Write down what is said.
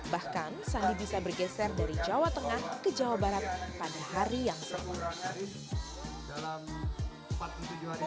bahkan sandi bisa bergeser dari jawa tengah ke jawa barat pada hari yang sama